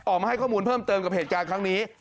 ออกมาให้ข้อมูลเพิ่มเติมกับเหตุการณ์ครั้งนี้